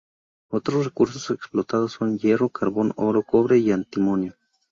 Otros recursos explotados son: hierro, carbón, oro, cobre y antimonio.